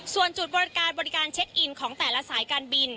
ส่วนจุดบริการบริการเช็คอินของแต่ละสายการบิน